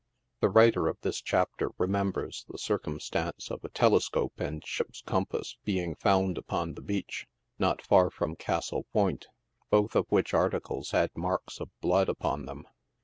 The writer of this .chapter remembers the circumstance of a tele scope and ship's compass being found upon the beach, not far from Castle Point, both of which articles had marks of blood upon them.